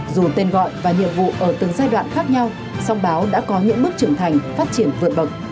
dù tên gọi và nhiệm vụ ở từng giai đoạn khác nhau song báo đã có những bước trưởng thành phát triển vượt bậc